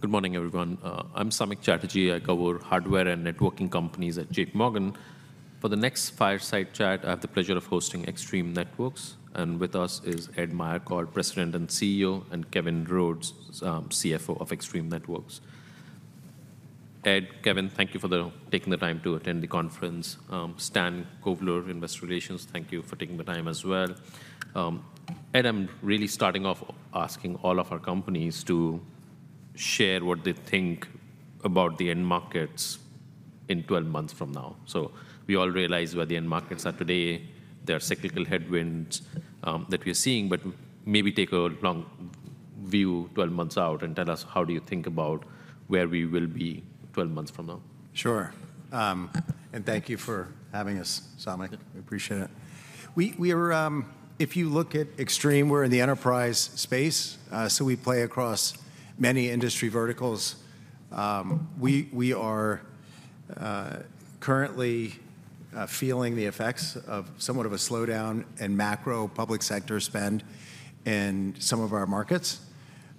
Good morning, everyone. I'm Samik Chatterjee. I cover hardware and networking companies at JPMorgan. For the next fireside chat, I have the pleasure of hosting Extreme Networks, and with us is Ed Meyercord, President and CEO, and Kevin Rhodes, CFO of Extreme Networks. Ed, Kevin, thank you for taking the time to attend the conference. Stan Kovler, Investor Relations, thank you for taking the time as well. Ed, I'm really starting off asking all of our companies to share what they think about the end markets in 12 months from now. So we all realize where the end markets are today, there are cyclical headwinds that we're seeing, but maybe take a long view 12 months out and tell us, how do you think about where we will be 12 months from now? Sure. And thank you for having us, Samik. We appreciate it. We're. If you look at Extreme, we're in the enterprise space, so we play across many industry verticals. We are currently feeling the effects of somewhat of a slowdown in macro public sector spend in some of our markets.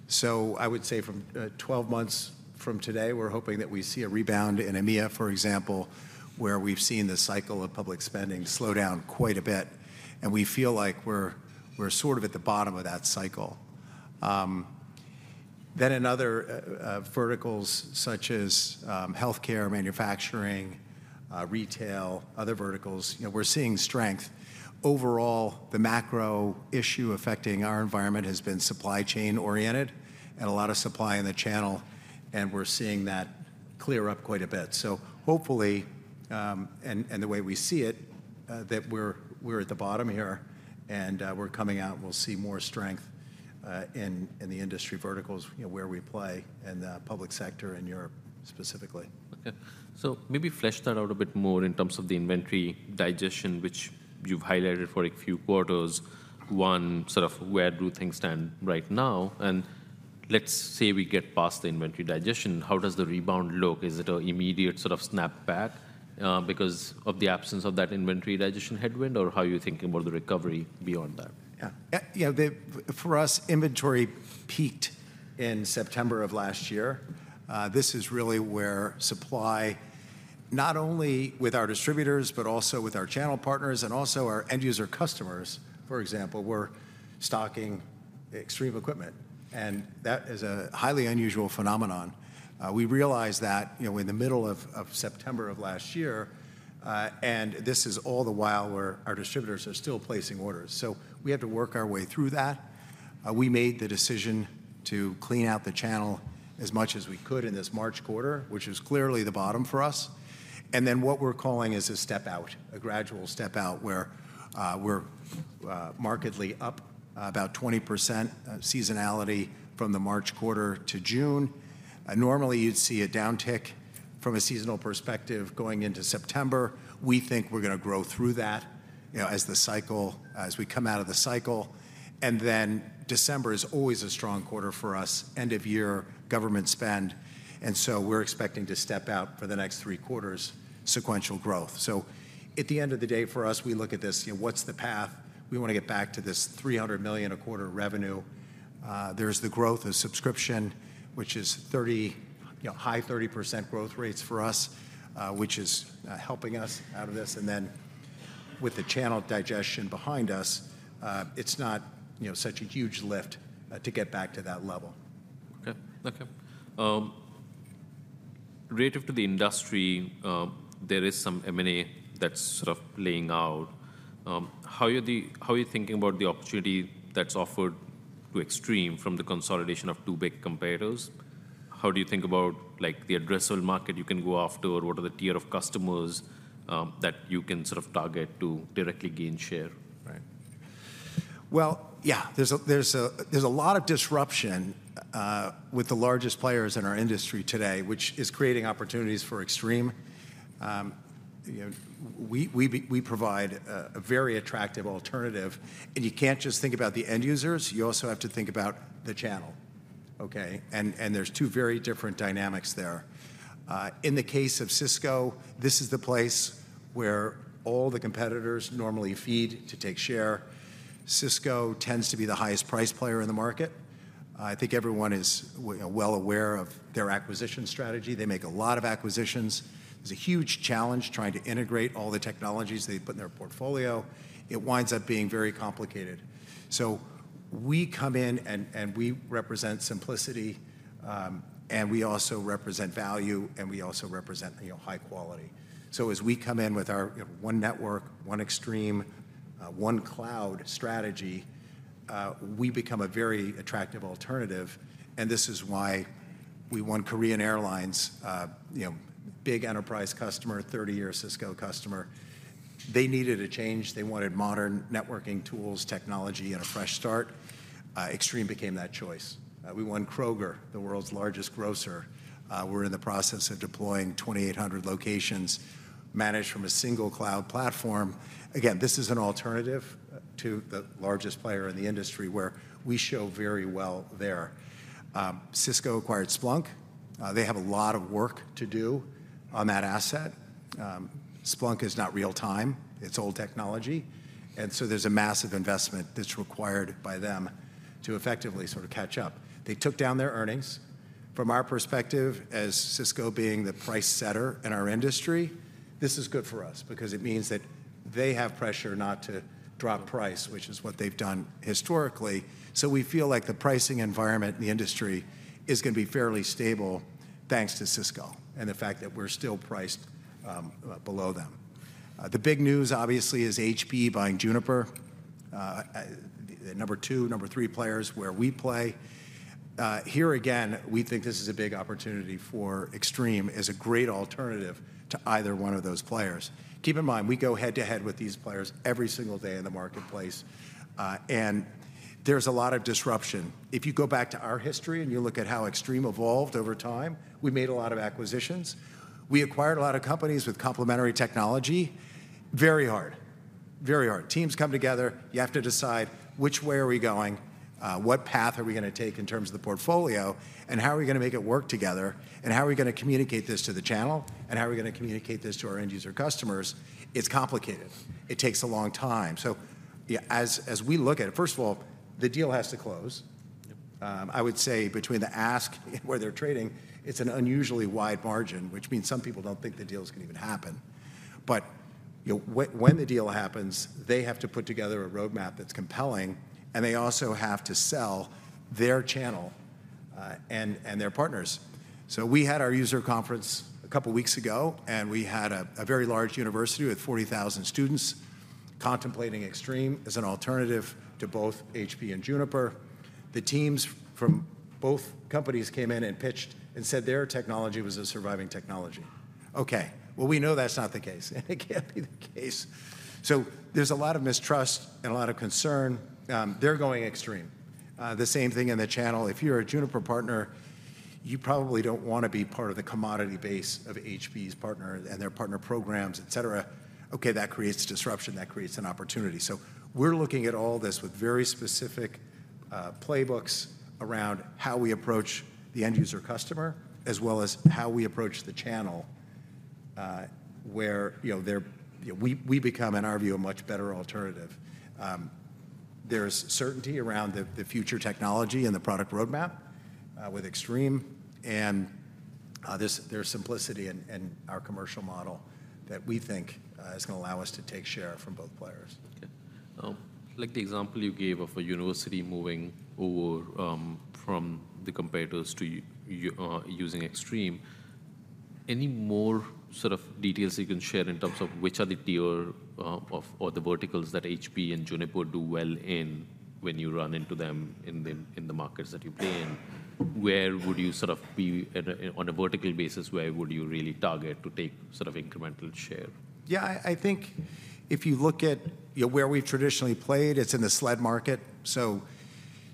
So I would say from 12 months from today, we're hoping that we see a rebound in EMEA, for example, where we've seen the cycle of public spending slow down quite a bit, and we feel like we're sort of at the bottom of that cycle. Then in other verticals such as healthcare, manufacturing, retail, other verticals, you know, we're seeing strength. Overall, the macro issue affecting our environment has been supply chain-oriented and a lot of supply in the channel, and we're seeing that clear up quite a bit. So hopefully, and the way we see it, that we're at the bottom here, and we're coming out, and we'll see more strength in the industry verticals, you know, where we play, in the public sector in Europe specifically. Okay. So maybe flesh that out a bit more in terms of the inventory digestion, which you've highlighted for a few quarters. One, sort of, where do things stand right now? And let's say we get past the inventory digestion, how does the rebound look? Is it an immediate sort of snapback, because of the absence of that inventory digestion headwind, or how are you thinking about the recovery beyond that? Yeah. You know, for us, inventory peaked in September of last year. This is really where supply, not only with our distributors, but also with our channel partners and also our end user customers, for example, were stocking Extreme equipment, and that is a highly unusual phenomenon. We realized that, you know, in the middle of September of last year, and this is all the while where our distributors are still placing orders. So we had to work our way through that. We made the decision to clean out the channel as much as we could in this March quarter, which is clearly the bottom for us. And then, what we're calling is a step out, a gradual step out, where we're markedly up about 20%, seasonality from the March quarter to June. Normally you'd see a downtick from a seasonal perspective going into September. We think we're gonna grow through that, you know, as we come out of the cycle. And then December is always a strong quarter for us, end-of-year government spend, and so we're expecting to step out for the next three quarters sequential growth. So at the end of the day, for us, we look at this, you know, what's the path? We want to get back to this $300 million a quarter revenue. There's the growth of subscription, which is 30%, you know, high 30% growth rates for us, which is helping us out of this, and then with the channel digestion behind us, it's not, you know, such a huge lift to get back to that level. Okay. Okay. Relative to the industry, there is some M&A that's sort of laying out. How are you thinking about the opportunity that's offered to Extreme from the consolidation of two big competitors? How do you think about, like, the addressable market you can go after, or what are the tier of customers that you can sort of target to directly gain share? Right. Well, yeah, there's a lot of disruption with the largest players in our industry today, which is creating opportunities for Extreme. You know, we provide a very attractive alternative, and you can't just think about the end users, you also have to think about the channel, okay? And there's two very different dynamics there. In the case of Cisco, this is the place where all the competitors normally feed to take share. Cisco tends to be the highest price player in the market. I think everyone is well aware of their acquisition strategy. They make a lot of acquisitions. There's a huge challenge trying to integrate all the technologies they put in their portfolio. It winds up being very complicated. So we come in, and we represent simplicity, and we also represent value, and we also represent, you know, high quality. So as we come in with our, you know, one network, one Extreme, one cloud strategy, we become a very attractive alternative, and this is why we won Korean Air, you know, big enterprise customer, 30-year Cisco customer. They needed a change. They wanted modern networking tools, technology, and a fresh start. Extreme became that choice. We won Kroger, the world's largest grocer. We're in the process of deploying 2,800 locations managed from a single cloud platform. Again, this is an alternative to the largest player in the industry, where we show very well there. Cisco acquired Splunk. They have a lot of work to do on that asset. Splunk is not real time, it's old technology, and so there's a massive investment that's required by them to effectively sort of catch up. They took down their earnings. From our perspective as Cisco being the price setter in our industry, this is good for us because it means that they have pressure not to drop price, which is what they've done historically. So we feel like the pricing environment in the industry is gonna be fairly stable, thanks to Cisco, and the fact that we're still priced, below them. The big news obviously is HPE buying Juniper. The number two, number three players where we play. Here again, we think this is a big opportunity for Extreme as a great alternative to either one of those players. Keep in mind, we go head-to-head with these players every single day in the marketplace, and there's a lot of disruption. If you go back to our history and you look at how Extreme evolved over time, we made a lot of acquisitions. We acquired a lot of companies with complementary technology. Very hard, very hard. Teams come together, you have to decide which way are we going, what path are we gonna take in terms of the portfolio, and how are we gonna make it work together, and how are we gonna communicate this to the channel, and how are we gonna communicate this to our end user customers? It's complicated. It takes a long time. So yeah, as, as we look at it. First of all, the deal has to close. I would say between the ask and where they're trading, it's an unusually wide margin, which means some people don't think the deal is gonna even happen. But, you know, when the deal happens, they have to put together a roadmap that's compelling, and they also have to sell their channel, and their partners. So we had our user conference a couple of weeks ago, and we had a very large university with 40,000 students contemplating Extreme as an alternative to both HPE and Juniper. The teams from both companies came in and pitched and said their technology was a surviving technology. Okay, well, we know that's not the case, and it can't be the case. So there's a lot of mistrust and a lot of concern. They're going Extreme. The same thing in the channel. If you're a Juniper partner, you probably don't wanna be part of the commodity base of HPE's partner and their partner programs, etc. Okay, that creates disruption, that creates an opportunity. So we're looking at all this with very specific playbooks around how we approach the end user customer, as well as how we approach the channel, where, you know, we become, in our view, a much better alternative. There's certainty around the future technology and the product roadmap with Extreme, and there's simplicity in our commercial model that we think is gonna allow us to take share from both players. Okay. Like the example you gave of a university moving over from the competitors to using Extreme, any more sort of details you can share in terms of which are the tier or the verticals that HPE and Juniper do well in, when you run into them in the markets that you play in? Where would you sort of be at on a vertical basis, where would you really target to take sort of incremental share? Yeah, I think if you look at, you know, where we've traditionally played, it's in the SLED market, so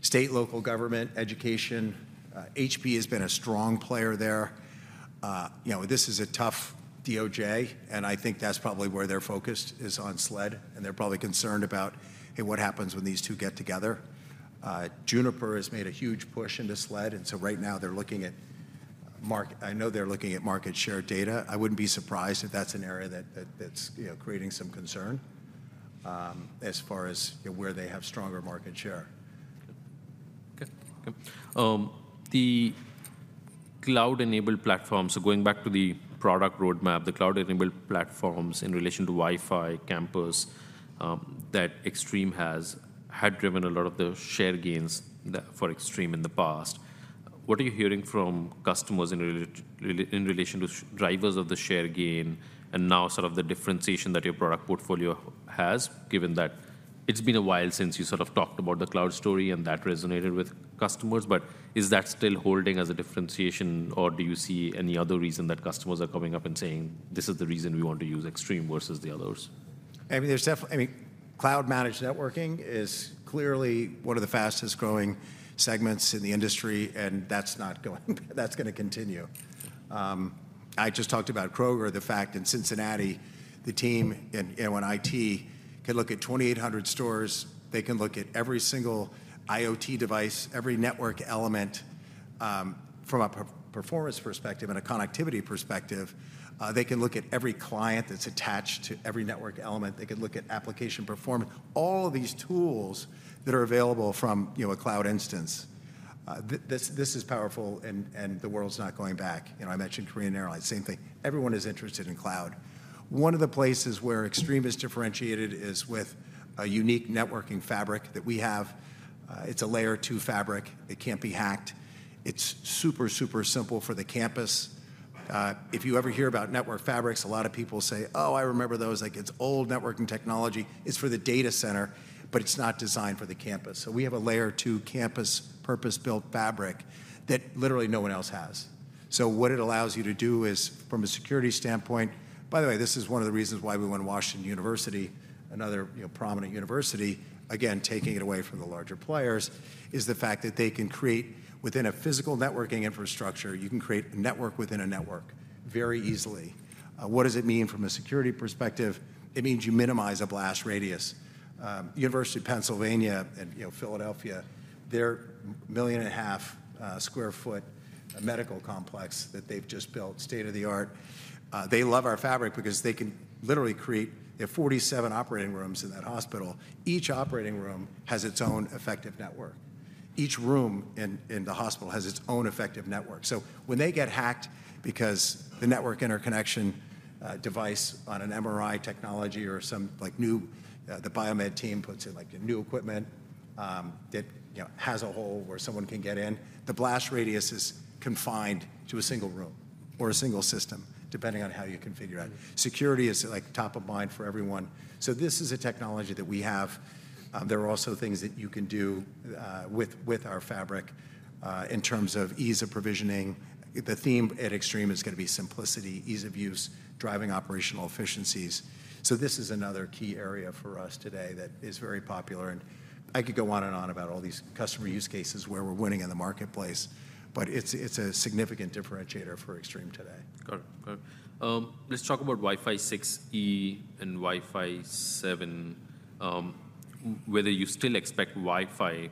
state, local government, education. HPE has been a strong player there. You know, this is a tough DOJ, and I think that's probably where their focus is on SLED, and they're probably concerned about, "Hey, what happens when these two get together?" Juniper has made a huge push into SLED, and so right now they're looking at, I know they're looking at market share data. I wouldn't be surprised if that's an area that's, you know, creating some concern, as far as, you know, where they have stronger market share. Okay. The cloud-enabled platforms, so going back to the product roadmap, the cloud-enabled platforms in relation to Wi-Fi, campus, that Extreme has had driven a lot of the share gains for Extreme in the past. What are you hearing from customers in relation to drivers of the share gain, and now sort of the differentiation that your product portfolio has, given that it's been a while since you sort of talked about the cloud story, and that resonated with customers? But is that still holding as a differentiation, or do you see any other reason that customers are coming up and saying, "This is the reason we want to use Extreme versus the others? I mean, Cloud-Managed Networking is clearly one of the fastest growing segments in the industry, and that's not going, that's gonna continue. I just talked about Kroger, the fact in Cincinnati, the team in, you know, in IT, can look at 2,800 stores. They can look at every single IoT device, every network element, from a performance perspective and a connectivity perspective. They can look at every client that's attached to every network element. They can look at application performance, all of these tools that are available from, you know, a cloud instance. This is powerful, and the world's not going back. You know, I mentioned Korean Airlines, same thing. Everyone is interested in cloud. One of the places where Extreme is differentiated is with a unique networking fabric that we have. It's a Layer 2 fabric. It can't be hacked. It's super, super simple for the campus. If you ever hear about network fabrics, a lot of people say, "Oh, I remember those." Like, it's old networking technology. It's for the data center, but it's not designed for the campus. So we have a Layer 2 campus purpose-built fabric that literally no one else has. So what it allows you to do is, from a security standpoint. By the way, this is one of the reasons why we won Washington University, another, you know, prominent university, again, taking it away from the larger players, is the fact that they can create within a physical networking infrastructure, you can create a network within a network very easily. What does it mean from a security perspective? It means you minimize a blast radius. University of Pennsylvania and, you know, Philadelphia, their 1.5 million sq ft medical complex that they've just built, state-of-the-art, they love our fabric because they can literally create. They have 47 operating rooms in that hospital. Each operating room has its own effective network. Each room in the hospital has its own effective network. So when they get hacked, because the network interconnection device on an MRI technology or some, like, new, the biomed team puts in, like, a new equipment, that, you know, has a hole where someone can get in, the blast radius is confined to a single room or a single system, depending on how you configure it. Security is, like, top of mind for everyone. So this is a technology that we have. There are also things that you can do with our fabric in terms of ease of provisioning. The theme at Extreme is gonna be simplicity, ease of use, driving operational efficiencies. So this is another key area for us today that is very popular, and I could go on and on about all these customer use cases where we're winning in the marketplace, but it's a significant differentiator for Extreme today. Got it. Got it. Let's talk about Wi-Fi 6E and Wi-Fi 7, whether you still expect Wi-Fi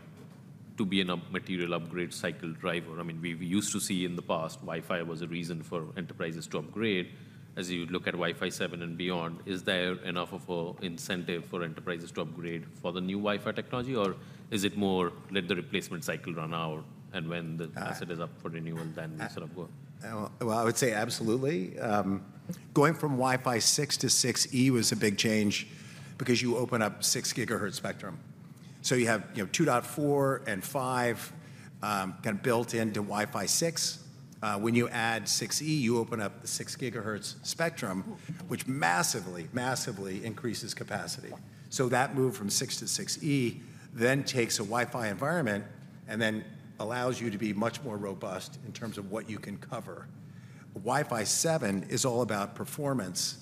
to be a material upgrade cycle driver. I mean, we've used to see in the past, Wi-Fi was a reason for enterprises to upgrade. As you look at Wi-Fi 7 and beyond, is there enough of a incentive for enterprises to upgrade for the new Wi-Fi technology, or is it more, "Let the replacement cycle run out, and when the asset is up for renewal, then sort of go? Well, I would say absolutely. Going from Wi-Fi 6 to 6E was a big change because you open up 6 GHz spectrum. So you have, you know, 2.4 and 5, kind of built into Wi-Fi 6. When you add 6E, you open up the 6 GHz spectrum which massively, massively increases capacity. So that move from 6 to 6E then takes a Wi-Fi environment and then allows you to be much more robust in terms of what you can cover. Wi-Fi 7 is all about performance,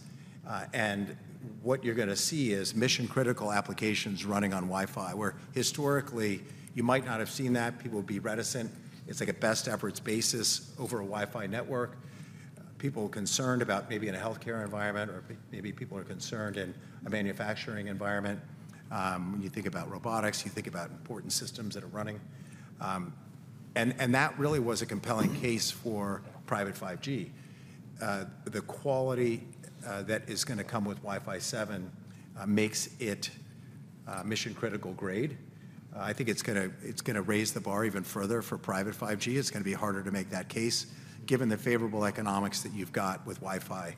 and what you're gonna see is mission-critical applications running on Wi-Fi, where historically you might not have seen that. People would be reticent. It's like a best efforts basis over a Wi-Fi network. People are concerned about maybe in a healthcare environment, or maybe people are concerned in a manufacturing environment. When you think about robotics, you think about important systems that are running, and that really was a compelling case. For private 5G. The quality, that is gonna come with Wi-Fi 7, makes it, mission-critical grade. I think it's gonna, it's gonna raise the bar even further for private 5G. It's gonna be harder to make that case, given the favorable economics that you've got with Wi-Fi.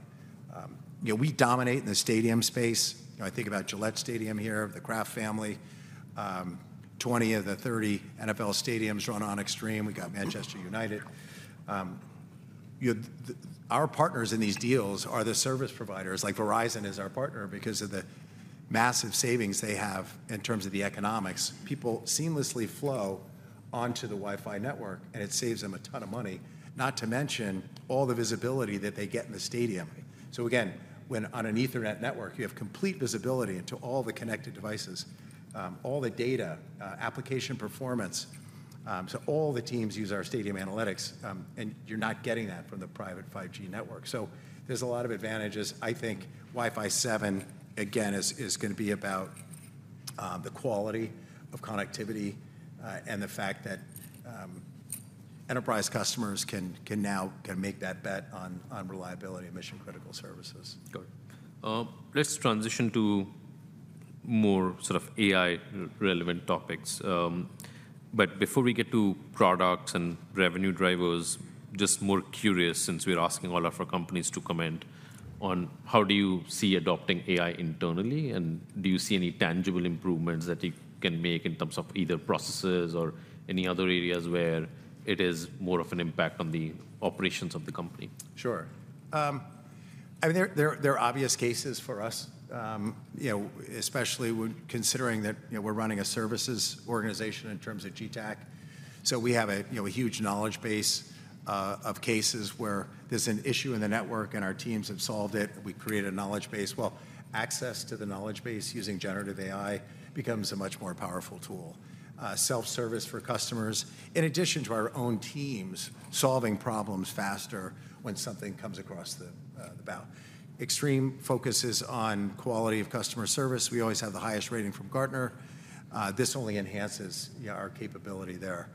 You know, we dominate in the stadium space. You know, I think about Gillette Stadium here, the Kraft family. 20 of the 30 NFL stadiums run on Extreme. We got Manchester United. You know, the, our partners in these deals are the service providers, like Verizon is our partner because of the massive savings they have in terms of the economics. People seamlessly flow onto the Wi-Fi network, and it saves them a ton of money, not to mention all the visibility that they get in the stadium. So again, when on an Ethernet network, you have complete visibility into all the connected devices, all the data, application performance. So all the teams use our stadium analytics, and you're not getting that from the private 5G network. So there's a lot of advantages. I think Wi-Fi 7, again, is gonna be about the quality of connectivity, and the fact that enterprise customers can now make that bet on reliability and mission-critical services. Got it. Let's transition to more sort of AI-relevant topics. But before we get to products and revenue drivers, just more curious, since we're asking all of our companies to comment on: how do you see adopting AI internally, and do you see any tangible improvements that you can make in terms of either processes or any other areas where it is more of an impact on the operations of the company? Sure. I mean, there are obvious cases for us, you know, especially when considering that, you know, we're running a services organization in terms of GTAC. So we have, you know, a huge knowledge base of cases where there's an issue in the network, and our teams have solved it. We create a knowledge base. Well, access to the knowledge base using generative AI becomes a much more powerful tool. Self-service for customers, in addition to our own teams, solving problems faster when something comes across the bow. Extreme focuses on quality of customer service. We always have the highest rating from Gartner. This only enhances, yeah, our capability there.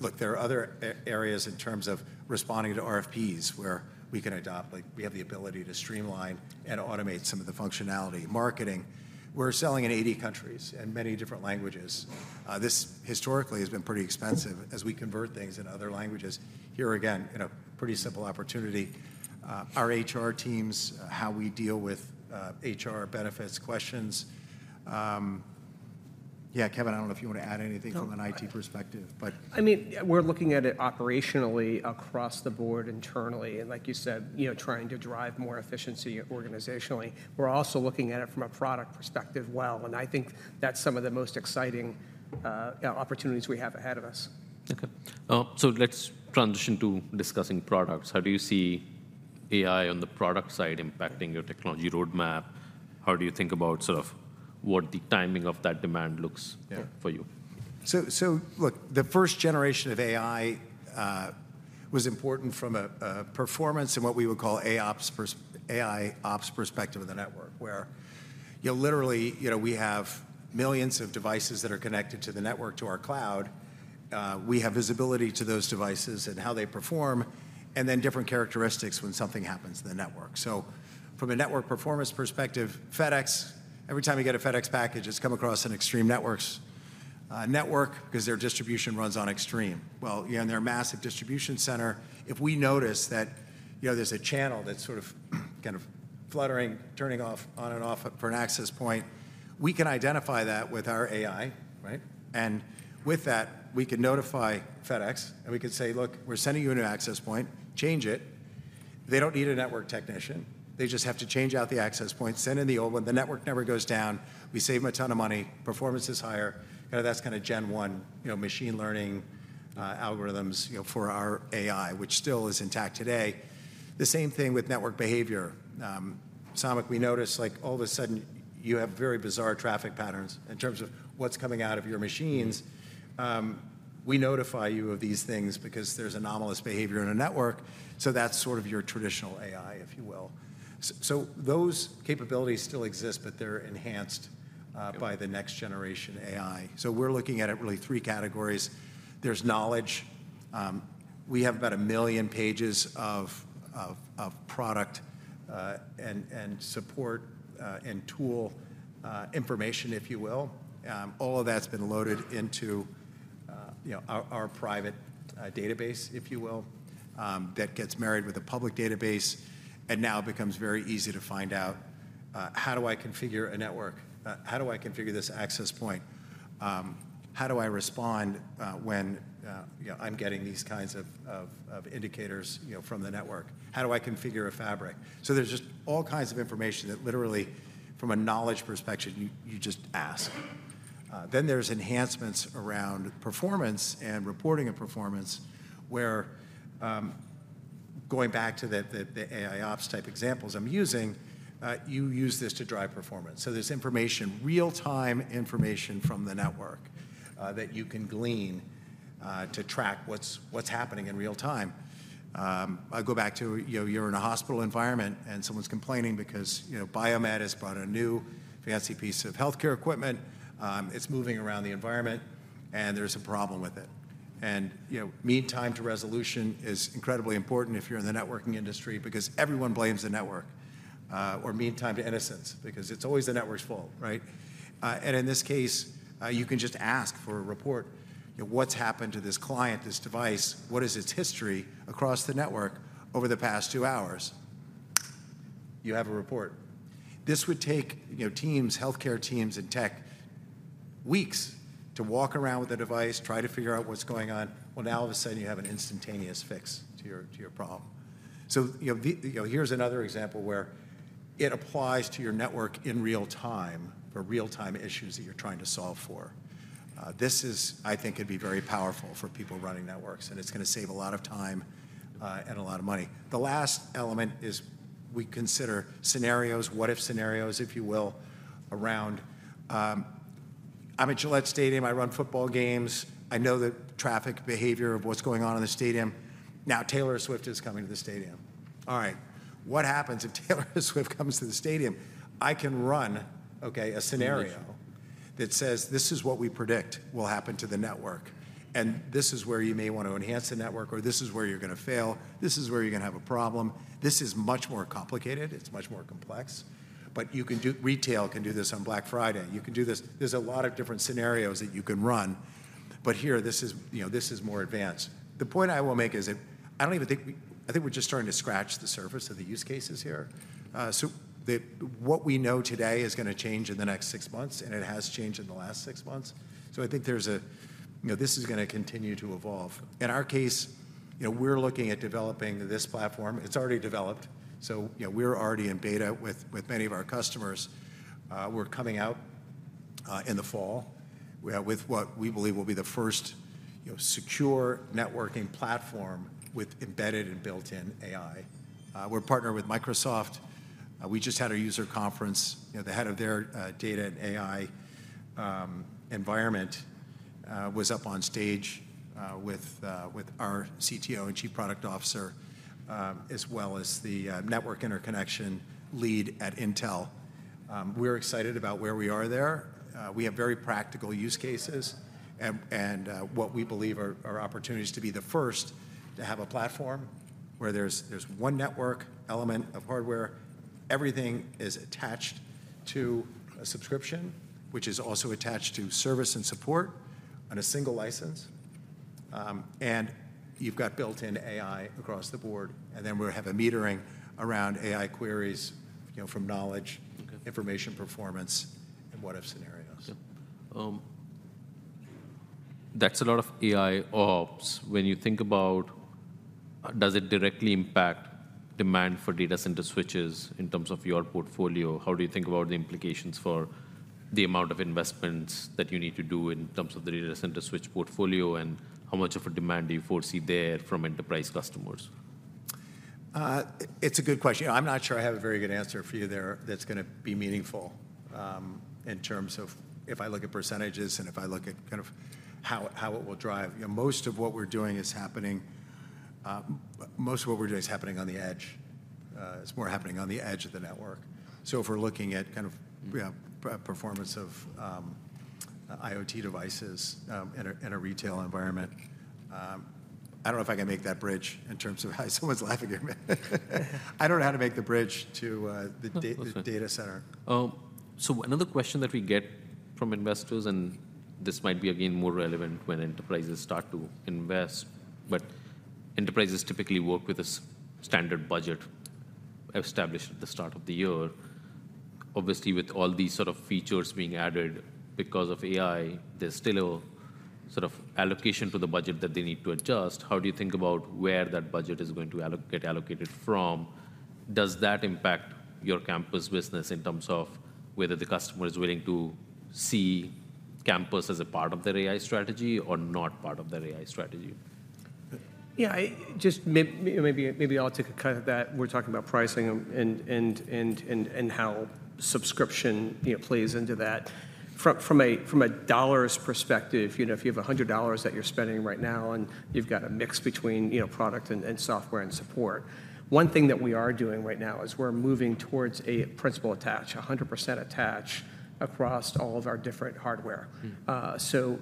Look, there are other areas in terms of responding to RFPs, where we can adopt. Like, we have the ability to streamline and automate some of the functionality. Marketing, we're selling in 80 countries and many different languages. This historically has been pretty expensive as we convert things in other languages. Here, again, in a pretty simple opportunity, our HR teams, how we deal with HR benefits questions. Yeah, Kevin, I don't know if you want to add anything. No, I From an IT perspective, but. I mean, we're looking at it operationally across the board internally, and like you said, you know, trying to drive more efficiency organizationally. We're also looking at it from a product perspective well, and I think that's some of the most exciting opportunities we have ahead of us. Okay. So let's transition to discussing products. How do you see AI on the product side impacting your technology roadmap? How do you think about sort of what the timing of that demand looks. Yeah For you? So look, the first generation of AI was important from a performance and what we would call AIOps perspective of the network, where, you know, literally, you know, we have millions of devices that are connected to the network, to our cloud. We have visibility to those devices and how they perform, and then different characteristics when something happens in the network. So from a network performance perspective, FedEx, every time you get a FedEx package, it's come across an Extreme Networks network, 'cause their distribution runs on Extreme. Well, in their massive distribution center, if we notice that, you know, there's a channel that's sort of, kind of fluttering, turning off, on and off for an access point, we can identify that with our AI, right? With that, we can notify FedEx, and we can say: "Look, we're sending you a new access point. Change it." They don't need a network technician. They just have to change out the access point, send in the old one. The network never goes down. We save them a ton of money. Performance is higher. You know, that's kinda Gen One, you know, machine learning algorithms, you know, for our AI, which still is intact today. The same thing with network behavior. Samik, we notice, like, all of a sudden, you have very bizarre traffic patterns in terms of what's coming out of your machines. We notify you of these things because there's anomalous behavior in a network, so that's sort of your traditional AI, if you will. So those capabilities still exist, but they're enhanced by the next generation AI. So we're looking at it really three categories. There's knowledge. We have about 1 million pages of product and support and tool information, if you will. All of that's been loaded into, you know, our private database, if you will, that gets married with a public database, and now it becomes very easy to find out: How do I configure a network? How do I configure this access point? How do I respond when, you know, I'm getting these kinds of indicators, you know, from the network? How do I configure a fabric? So there's just all kinds of information that literally, from a knowledge perspective, you just ask. Then there's enhancements around performance and reporting of performance, where, going back to the AIOps type examples I'm using, you use this to drive performance. So there's information, real-time information from the network, that you can glean, to track what's happening in real time. I go back to, you know, you're in a hospital environment, and someone's complaining because, you know, biomed has brought a new fancy piece of healthcare equipment. It's moving around the environment, and there's a problem with it. You know, mean time to resolution is incredibly important if you're in the networking industry, because everyone blames the network, or mean time to innocence, because it's always the network's fault, right? In this case, you can just ask for a report. You know, what's happened to this client, this device? What is its history across the network over the past two hours? You have a report. This would take, you know, teams, healthcare teams and tech, weeks to walk around with the device, try to figure out what's going on. Well, now, all of a sudden, you have an instantaneous fix to your, to your problem. So, you know, here's another example where it applies to your network in real time, for real-time issues that you're trying to solve for. This is. I think it'd be very powerful for people running networks, and it's gonna save a lot of time, and a lot of money. The last element is we consider scenarios, what-if scenarios, if you will, around. I'm at Gillette Stadium. I run football games. I know the traffic behavior of what's going on in the stadium. Now, Taylor Swift is coming to the stadium. All right, what happens if Taylor Swift comes to the stadium? I can run, okay, a scenario. That says, This is what we predict will happen to the network, and this is where you may want to enhance the network, or this is where you're gonna fail. This is where you're gonna have a problem. This is much more complicated. It's much more complex, but you can do retail can do this on Black Friday. You can do this. There's a lot of different scenarios that you can run, but here, this is, you know, this is more advanced. The point I will make is that I don't even think I think we're just starting to scratch the surface of the use cases here. So, what we know today is gonna change in the next six months, and it has changed in the last six months. So I think there's a. You know, this is gonna continue to evolve. In our case, you know, we're looking at developing this platform. It's already developed, so, you know, we're already in beta with many of our customers. We're coming out in the fall with what we believe will be the first, you know, secure networking platform with embedded and built-in AI. We're partnered with Microsoft. We just had our user conference. You know, the head of their data and AI environment was up on stage with our CTO and Chief Product Officer, as well as the network interconnection lead at Intel. We're excited about where we are there. We have very practical use cases and what we believe are opportunities to be the first to have a platform where there's one network element of hardware. Everything is attached to a subscription, which is also attached to service and support on a single license. You've got built-in AI across the board, and then we have a metering around AI queries, you know, from knowledge- information, performance, and what-if scenarios. Yep. That's a lot of AIOps. When you think about, does it directly impact demand for data center switches in terms of your portfolio? How do you think about the implications for the amount of investments that you need to do in terms of the data center switch portfolio, and how much of a demand do you foresee there from enterprise customers? It's a good question. You know, I'm not sure I have a very good answer for you there that's gonna be meaningful, in terms of if I look at percentages and if I look at kind of how it will drive. You know, most of what we're doing is happening, most of what we're doing is happening on the edge. It's more happening on the edge of the network. So if we're looking at kind of, you know, performance of IoT devices, in a retail environment, I don't know if I can make that bridge in terms of how someone's laughing at me. I don't know how to make the bridge to, the data center. So another question that we get from investors, and this might be, again, more relevant when enterprises start to invest, but enterprises typically work with a standard budget established at the start of the year. Obviously, with all these sort of features being added because of AI, there's still a sort of allocation to the budget that they need to adjust. How do you think about where that budget is going to get allocated from? Does that impact your campus business in terms of whether the customer is willing to see campus as a part of their AI strategy or not part of their AI strategy? Yeah, I'll take a cut of that. We're talking about pricing and how subscription, you know, plays into that. From a dollars perspective, you know, if you have $100 that you're spending right now, and you've got a mix between, you know, product and software and support, one thing that we are doing right now is we're moving towards a principal attach, 100% attach, across all of our different hardware. So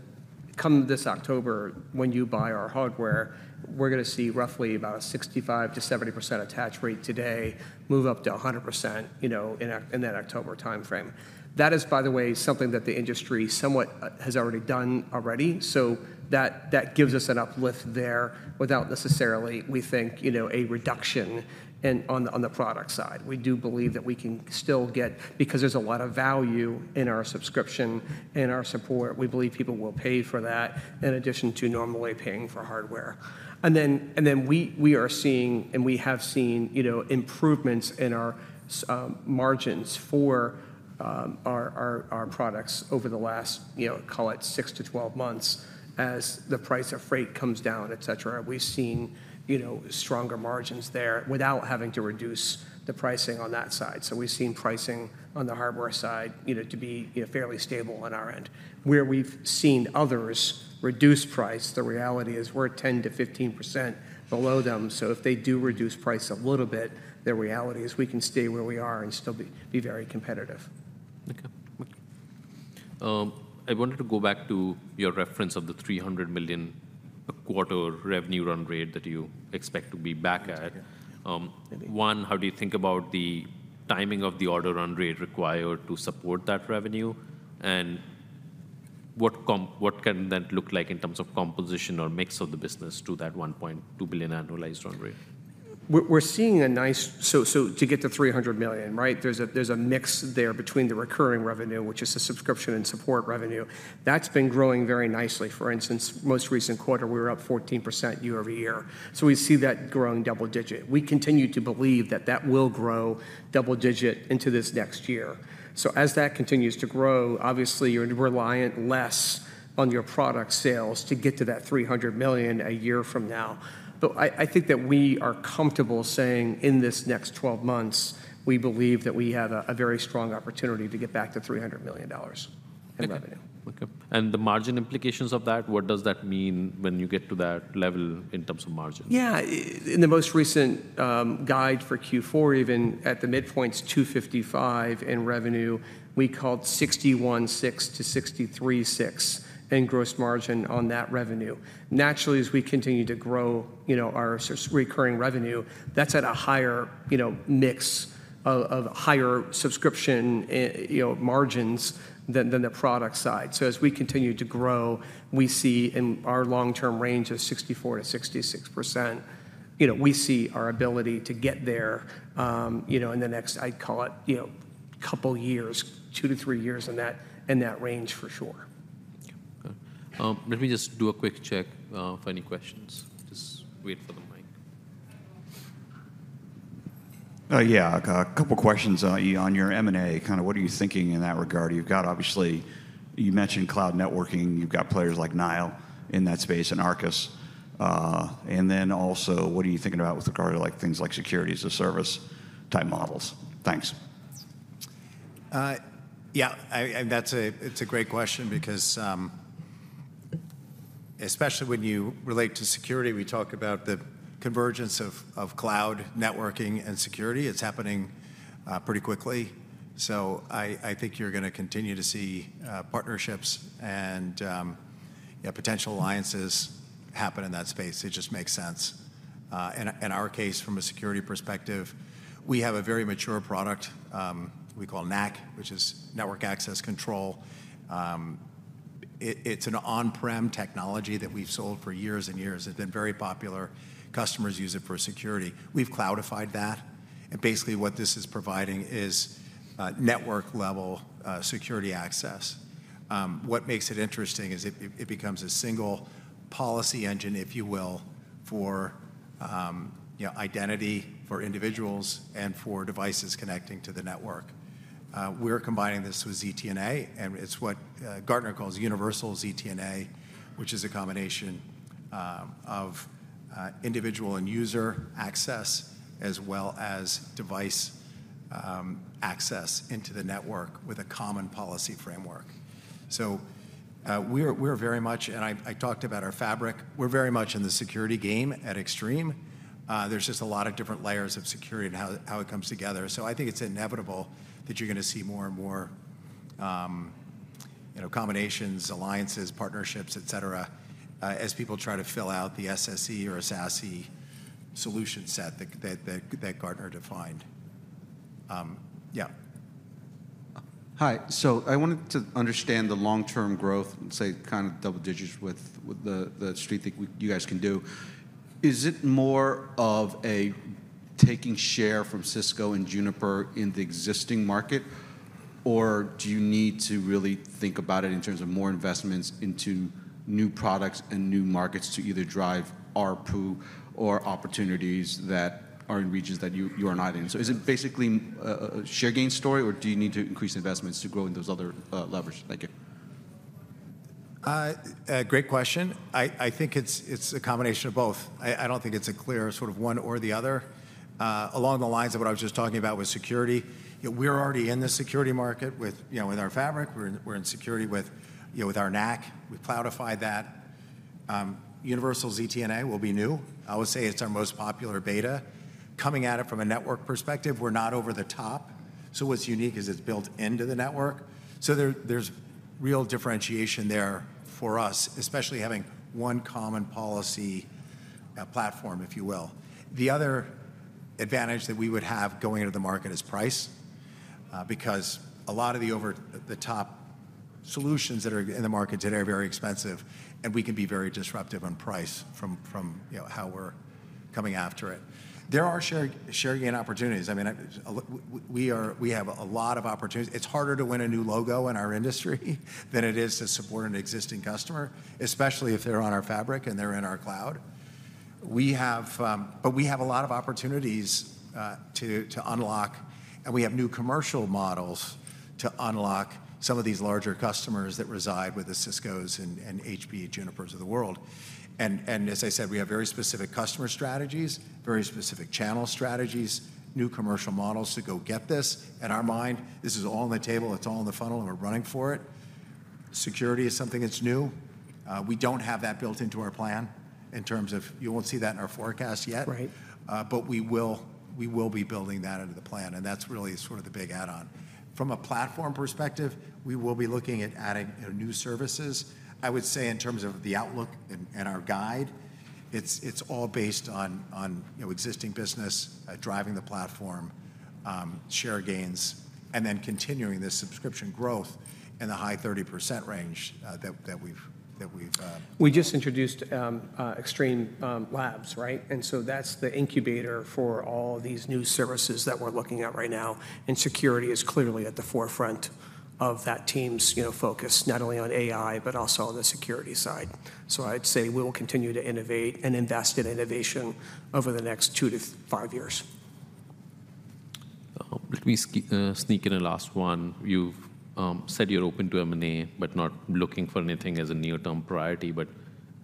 come this October, when you buy our hardware, we're gonna see roughly about a 65%-70% attach rate today, move up to a 100%, you know, in that October timeframe. That is, by the way, something that the industry somewhat has already done already, so that gives us an uplift there without necessarily, we think, you know, a reduction in, on the, on the product side. We do believe that we can still get. Because there's a lot of value in our subscription and our support, we believe people will pay for that, in addition to normally paying for hardware. We are seeing, and we have seen, you know, improvements in our margins for our products over the last, you know, call it six to 12 months, as the price of freight comes down, etc. We've seen, you know, stronger margins there without having to reduce the pricing on that side. So we've seen pricing on the hardware side, you know, to be, you know, fairly stable on our end. Where we've seen others reduce price, the reality is we're at 10%-15% below them, so if they do reduce price a little bit, the reality is we can stay where we are and still be very competitive. Okay. I wanted to go back to your reference of the $300 million per quarter revenue run rate that you expect to be back at. One, how do you think about the timing of the order run rate required to support that revenue? And what can that look like in terms of composition or mix of the business to that $1.2 billion annualized run rate? We're seeing a nice... So, to get to $300 million, right? There's a mix there between the recurring revenue, which is the subscription and support revenue. That's been growing very nicely. For instance, most recent quarter, we were up 14% year-over-year. So we see that growing double digit. We continue to believe that that will grow double digit into this next year. So as that continues to grow, obviously, you're reliant less on your product sales to get to that $300 million a year from now. But I think that we are comfortable saying in this next 12 months, we believe that we have a very strong opportunity to get back to $300 million in revenue. Okay. And the margin implications of that, what does that mean when you get to that level in terms of margin? Yeah. In the most recent guide for Q4, even at the midpoint's $255 in revenue, we called 61.6%-63.6% in gross margin on that revenue. Naturally, as we continue to grow, you know, our recurring revenue, that's at a higher, you know, mix of, of higher subscription, you know, margins than, than the product side. So as we continue to grow, we see in our long-term range of 64%-66%, you know, we see our ability to get there, you know, in the next, I'd call it, you know, couple years, two to three years in that, in that range, for sure. Okay. Let me just do a quick check for any questions. Just wait for the mic. Yeah. I've got a couple questions on your M&A. Kind of what are you thinking in that regard? You've got obviously. You mentioned cloud networking. You've got players like Nile in that space, and Arrcus. And then also, what are you thinking about with regard to, like, things like security as a service type models? Thanks. Yeah, that's a great question because, especially when you relate to security, we talk about the convergence of cloud networking and security. It's happening pretty quickly. So I think you're gonna continue to see partnerships and, you know, potential alliances happen in that space. It just makes sense. In our case, from a security perspective, we have a very mature product we call NAC, which is network access control. It's an on-prem technology that we've sold for years and years, and been very popular. Customers use it for security. We've cloudified that, and basically what this is providing is network-level security access. What makes it interesting is it becomes a single policy engine, if you will, for, you know, identity for individuals and for devices connecting to the network. We're combining this with ZTNA, and it's what Gartner calls universal ZTNA, which is a combination of individual and user access, as well as device access into the network with a common policy framework. So, we're very much. And I talked about our fabric. We're very much in the security game at Extreme. There's just a lot of different layers of security and how it comes together. So I think it's inevitable that you're gonna see more and more, you know, combinations, alliances, partnerships, etc, as people try to fill out the SSE or SASE solution set that Gartner defined. Yeah. Hi. So I wanted to understand the long-term growth and, say, kind of double digits with the Street think you guys can do. Is it more of a taking share from Cisco and Juniper in the existing market, or do you need to really think about it in terms of more investments into new products and new markets to either drive ARPU or opportunities that are in regions that you are not in? So is it basically a share gain story, or do you need to increase investments to grow in those other levers? Thank you. A great question. I think it's a combination of both. I don't think it's a clear sort of one or the other. Along the lines of what I was just talking about with security, you know, we're already in the security market with, you know, with our fabric. We're in security with, you know, with our NAC. We cloudified that. Universal ZTNA will be new. I would say it's our most popular beta. Coming at it from a network perspective, we're not over the top, so what's unique is it's built into the network. So there's real differentiation there for us, especially having one common policy, platform, if you will. The other advantage that we would have going into the market is price, because a lot of the over-the-top solutions that are in the market today are very expensive, and we can be very disruptive on price from, you know, how we're coming after it. There are share gain opportunities. I mean, we have a lot of opportunities. It's harder to win a new logo in our industry than it is to support an existing customer, especially if they're on our fabric, and they're in our cloud. But we have a lot of opportunities to unlock, and we have new commercial models to unlock some of these larger customers that reside with the Ciscos and HPE and Junipers of the world. As I said, we have very specific customer strategies, very specific channel strategies, new commercial models to go get this. In our mind, this is all on the table, it's all in the funnel, and we're running for it. Security is something that's new. We don't have that built into our plan in terms of. You won't see that in our forecast yet. Right. But we will be building that into the plan, and that's really sort of the big add-on. From a platform perspective, we will be looking at adding, you know, new services. I would say in terms of the outlook and our guide, it's all based on, you know, existing business driving the platform, share gains, and then continuing this subscription growth in the high 30% range, that we've. We just introduced Extreme Labs, right? And so that's the incubator for all these new services that we're looking at right now, and security is clearly at the forefront of that team's, you know, focus, not only on AI, but also on the security side. So I'd say we will continue to innovate and invest in innovation over the next two to five years. Let me sneak in a last one. You've said you're open to M&A, but not looking for anything as a near-term priority. But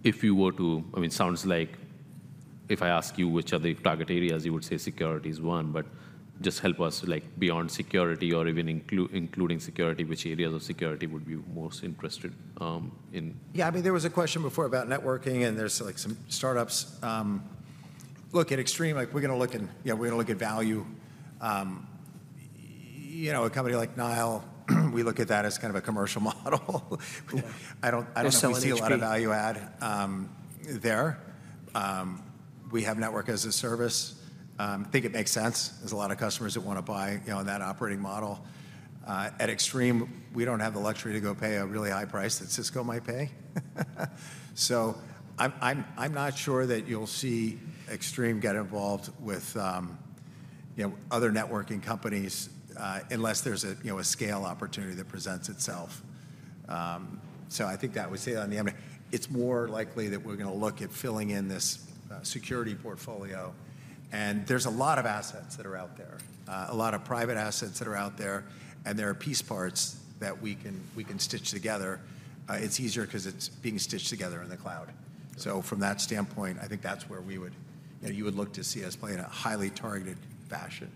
if you were to. I mean, sounds like if I ask you which are the target areas, you would say security is one. But just help us, like, beyond security or even including security, which areas of security would you be most interested in? Yeah, I mean, there was a question before about networking, and there's, like, some startups. Look, at Extreme, like, we're gonna look in- yeah, we're gonna look at value. You know, a company like Nile, we look at that as kind of a commercial model. Yeah. I don't Go sell in HPE. See a lot of value add there. We have network as a service. I think it makes sense. There's a lot of customers that wanna buy, you know, in that operating model. At Extreme, we don't have the luxury to go pay a really high price that Cisco might pay. So I'm not sure that you'll see Extreme get involved with, you know, other networking companies, unless there's a, you know, a scale opportunity that presents itself. So I think that we see it on the M&A. It's more likely that we're gonna look at filling in this security portfolio, and there's a lot of assets that are out there, a lot of private assets that are out there, and there are piece parts that we can stitch together. It's easier 'cause it's being stitched together in the cloud. So from that standpoint, I think that's where we would, you know, you would look to see us play in a highly targeted fashion.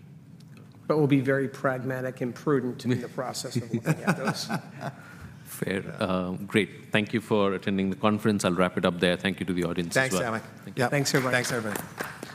But we'll be very pragmatic and prudent in the process of looking at those. Fair. Great. Thank you for attending the conference. I'll wrap it up there. Thank you to the audience as well. Thanks, Samik. Thank you. Yeah, thanks, everybody. Thanks, everybody.